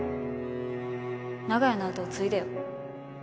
長屋の後を継いでよ。